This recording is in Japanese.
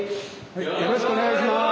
よろしくお願いします。